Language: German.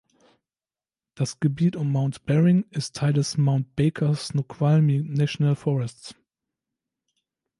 Das Gebiet um Mount Baring ist Teil des Mount Baker-Snoqualmie National Forests.